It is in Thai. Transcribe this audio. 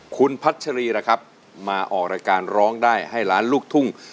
คุณพัชรีนะครับมาออกรายการร้องได้ให้ล้านลูกทุ่ง